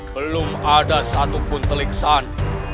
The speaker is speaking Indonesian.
belum ada satupun teliksan